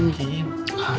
nggak ada apa apa